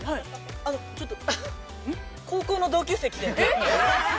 ちょっと、高校の同級生来てる。